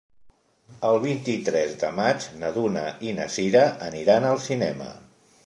El vint-i-tres de maig na Duna i na Sira aniran al cinema.